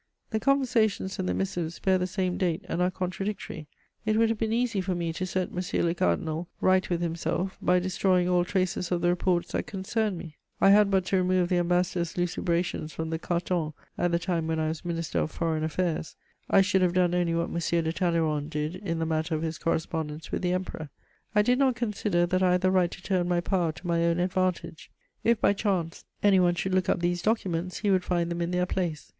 The conversations and the missives bear the same date and are contradictory. It would have been easy for me to set M. le Cardinal, right with himself by destroying all traces of the reports that concerned me: I had but to remove the Ambassador's lucubrations from the cartons at the time when I was Minister for Foreign Affairs; I should have done only what M. de Talleyrand did in the matter of his correspondence with the Emperor. I did not consider that I had the right to turn my power to my own advantage. If, by chance, any one should look up these documents, he would find them in their place.